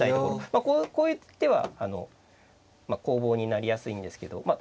まあこういう手は攻防になりやすいんですけどまあ